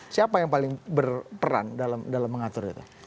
siapa yang paling berperan dalam mengatur itu